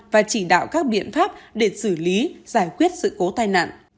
và chỉ đạo các biện pháp để xử lý giải quyết sự cố tai nạn